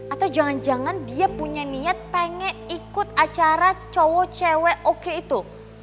atau jangan jangan dia punya niat pengen ikut acara cowo cewek oke itu